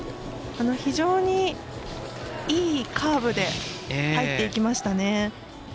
非常に、いいカーブで入っていきましたね。